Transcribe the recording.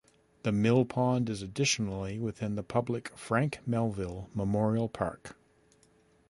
The mill pond is additionally within the public Frank Melville Memorial Park.